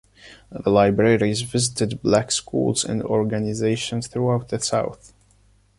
The libraries visited black schools and organizations throughout the South.